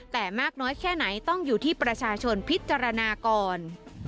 แต่มากน้อยแค่ไหนต้องอยู่ที่ประชาชนพิจารณาก่อน